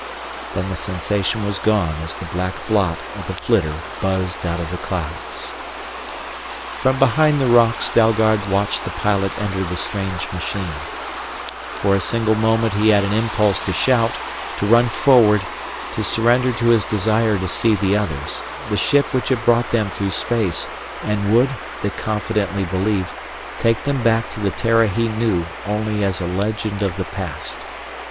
Then the sensation was gone as the black blot of the flitter buzzed out of the clouds. From behind the rocks Dalgard watched the pilot enter the strange machine. For a single moment he had an impulse to shout, to run forward, to surrender to his desire to see the others, the ship which had brought them through space and would, they confidently believed, take them back to the Terra he knew only as a legend of the past.